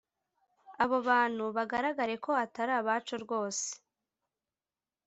abo bantu bagaragare ko atari abacu rwose